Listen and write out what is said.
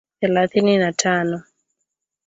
thelathini na tano